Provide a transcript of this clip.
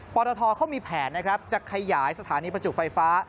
ตทเขามีแผนนะครับจะขยายสถานีประจุไฟฟ้า